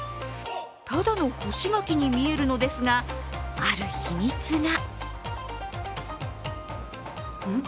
ただの干し柿に見えるのですが、ある秘密が。